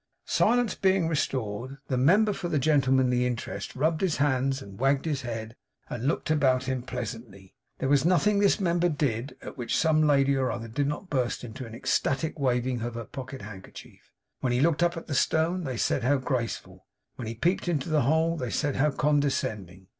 Silence being restored, the member for the Gentlemanly Interest rubbed his hands, and wagged his head, and looked about him pleasantly; and there was nothing this member did, at which some lady or other did not burst into an ecstatic waving of her pocket handkerchief. When he looked up at the stone, they said how graceful! when he peeped into the hole, they said how condescending!